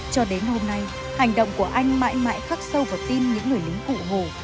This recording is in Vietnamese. cho đến hôm nay hành động của anh mãi mãi khắc sâu vào tin những người lính cụ hồ